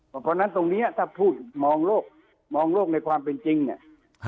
เพราะฉะนั้นตรงนี้ถ้าพูดมองโลกมองโลกในความเป็นจริงเนี่ย